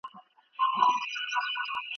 د لوستلو امر د ټولو خلګو لپاره عام دی.